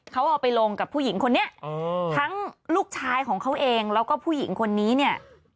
เขาเอาไปลงกับผู้หญิงคนนี้ทั้งลูกชายของเขาเองแล้วก็ผู้หญิงคนนี้เนี่ย